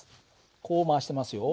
こう回してますよ。